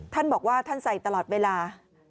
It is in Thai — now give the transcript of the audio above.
ท่านบอกว่าท่านใส่ตลอดเวลา